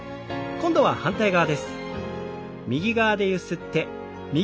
今度は反対側です。